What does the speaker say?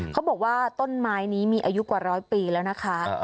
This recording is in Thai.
เขาบอกว่าต้นไม้นี้มีอายุกว่าร้อยปีแล้วนะคะ